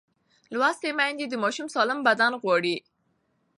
لوستې میندې د ماشوم سالم بدن غواړي.